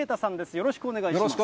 よろしくお願いします。